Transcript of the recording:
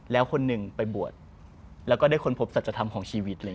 แล้วคนหนึ่งไปบวชแล้วก็ได้ค้นพบสัจธรรมของชีวิตเลย